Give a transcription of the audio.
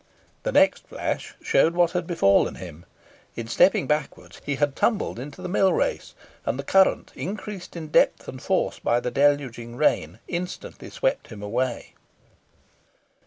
The next flash showed what had befallen him. In stepping backwards, he tumbled into the mill race; and the current, increased in depth and force by the deluging rain, instantly swept him away.